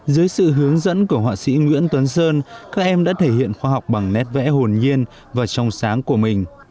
dưới sự hướng dẫn của họa sĩ nguyễn tuấn sơn các em đã thể hiện khoa học bằng nét vẽ hồn nhiên và trong sáng của mình